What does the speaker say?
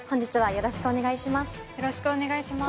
よろしくお願いします。